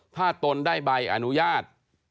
ถ้าตนได้ใบอนุญาต